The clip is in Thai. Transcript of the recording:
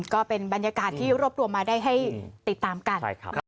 ก็เป็นบรรยากาศที่รวบรวมมาได้ให้ติดตามกัน